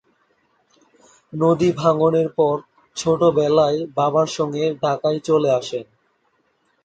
নদী ভাঙ্গনের পর ছোট বেলায় বাবার সঙ্গে ঢাকায় চলে আসেন।